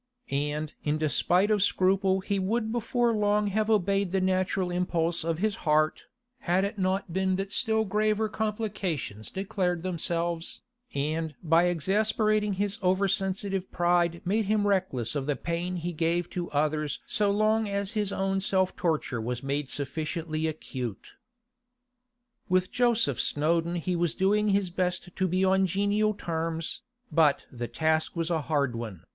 And in despite of scruple he would before long have obeyed the natural impulse of his heart, had it not been that still graver complications declared themselves, and by exasperating his over sensitive pride made him reckless of the pain he gave to others so long as his own self torture was made sufficiently acute. With Joseph Snowdon he was doing his best to be on genial terms, but the task was a hard one.